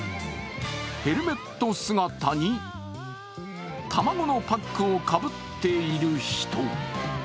ヘルメット姿に卵のパックをかぶっている人。